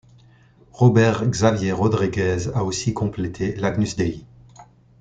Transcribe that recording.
Robert Xavier Rodriguez a aussi complété l'Agnus Dei.